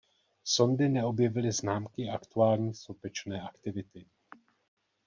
Sondy neobjevily známky aktuální sopečné aktivity.